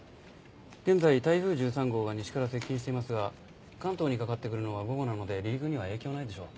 現在台風１３号は西から接近していますが関東にかかってくるのは午後なので離陸には影響ないでしょう。